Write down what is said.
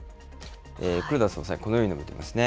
黒田総裁、このように述べてますね。